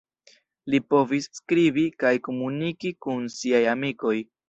Li povis skribi kaj komuniki kun siaj amikoj.